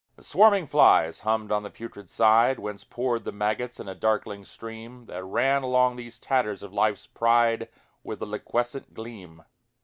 The swarming flies hummed on the putrid side, Whence poured the maggots in a darkling stream, That ran along these tatters of life's pride With a liquescent gleam.